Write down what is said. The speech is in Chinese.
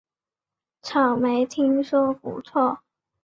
草莓听说不错